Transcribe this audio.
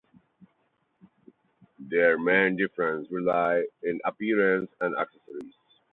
Their main differences relied in appearance and accessories.